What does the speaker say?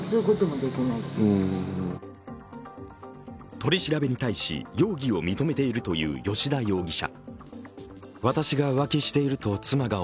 取り調べに対し、容疑を認めているという吉田容疑者。